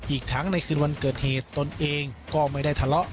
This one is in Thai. อีกทั้งในคืนวันเกิดเหตุตนเองก็ไม่ได้ทะเลาะ